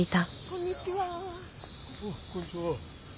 こんにちは。